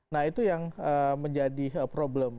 nah itu yang menjadi problem